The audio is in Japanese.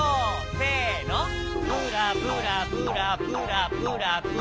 せのブラブラブラブラブラブラピシッ！